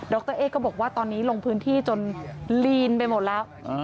รเอ๊ก็บอกว่าตอนนี้ลงพื้นที่จนลีนไปหมดแล้ว